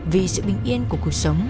vì sự bình yên của cuộc sống